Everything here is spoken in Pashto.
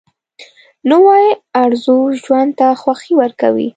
نوې ارزو ژوند ته خوښي ورکوي